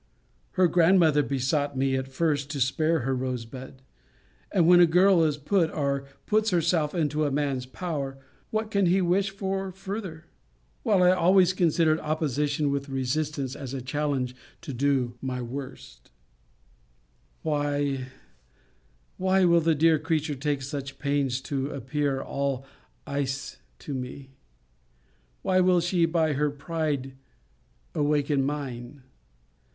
Her grandmother besought me, at first, to spare her Rosebud: and when a girl is put, or puts herself into a man's power, what can he wish for further? while I always considered opposition and resistance as a challenge to do my worst.* * See Vol. I. Letter XXXIV. Why, why, will the dear creature take such pains to appear all ice to me? Why will she, by her pride, awaken mine?